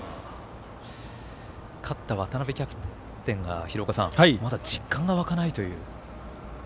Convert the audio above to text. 勝った渡邊キャプテンがまだ実感が湧かないという。